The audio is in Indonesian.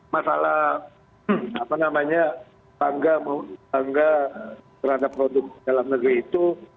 masalah apa namanya tangga terhadap produk dalam negeri itu